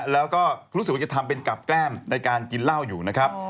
แล้วก็รู้สึกว่าจะทำเป็นกลับแก้มในการกินเหล้าอยู่นะครับ